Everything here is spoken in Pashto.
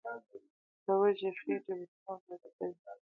د وږي خېټې به څه مبارزه وي.